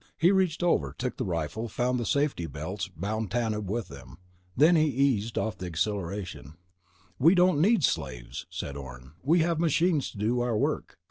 He reached over, took the rifle, found safety belts, bound Tanub with them. Then he eased off the acceleration. "We don't need slaves," said Orne. "We have machines to do our work.